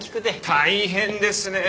大変ですね！